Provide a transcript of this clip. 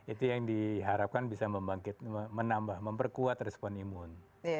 itu yang diharapkan bisa menambah memperkuat respon imun